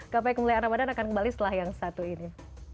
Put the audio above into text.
kpa kemuliaan ramadan akan kembali setelah yang satu ini